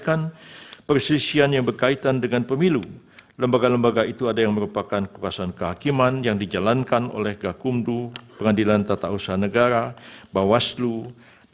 dan kemudian juga mengatakan bahwa perubahan yang telah dilakukan oleh pemerintah dan pemerintah tersebut